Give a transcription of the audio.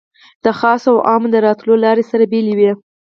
د خاصو او عامو د راتلو لارې سره بېلې وې.